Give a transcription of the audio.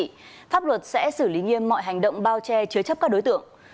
nếu các thông tin có giá trị pháp luật sẽ xử lý nghiêm mọi hành động bao che chứa chấp các đối tượng